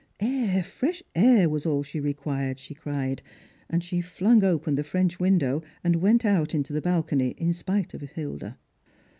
Air, fresh air, was all she required, she cned; and ehe flung open the French window, and went out into the bal cony, in spite of Hilda.